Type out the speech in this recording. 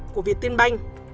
của việt tiên banh